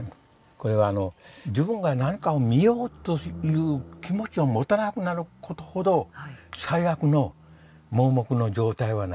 これは「自分が何かを見ようという気持ちを持たなくなることほど最悪の盲目の状態はない」っていうフランス語ですね。